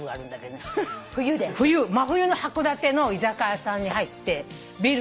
真冬の函館の居酒屋さんに入って。